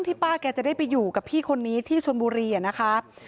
ป้าแกจะได้ไปอยู่กับพี่คนนี้ที่ชนบุรีนะคะ